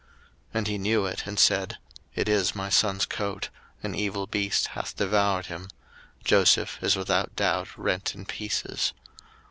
01:037:033 And he knew it, and said, It is my son's coat; an evil beast hath devoured him; Joseph is without doubt rent in pieces.